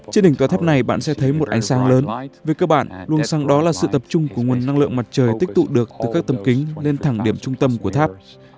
trên đỉnh tòa tháp này bạn sẽ thấy một ánh sáng lớn về các bạn luôn sẵn đó là sự tập trung của nguồn năng lượng mặt trời tích tụ được từ các tấm kính lên thẳng điểm trung tâm của tháp